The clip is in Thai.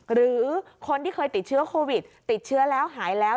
หรือคนที่เคยติดเชื้อโควิดติดเชื้อแล้วหายแล้ว